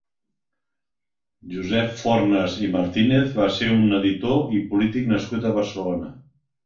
Josep Fornas i Martínez va ser un editor i polític nascut a Barcelona.